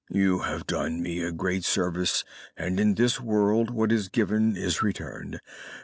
You have done me a great service, and in this world what is given is returned.